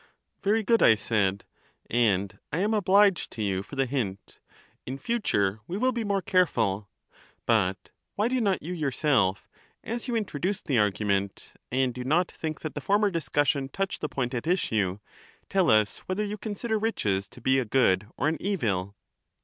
Very good, I said, and I am obliged to you for the hint : in future we will be more careful. But why do not you your self, as you introduced the argument, and do not think that the former discussion touched the point at issue, tell us whether you consider riches to be a good or an evil?